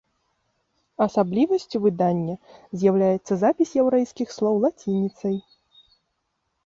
Асаблівасцю выдання з'яўляецца запіс яўрэйскіх слоў лацініцай.